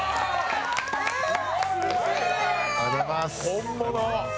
本物！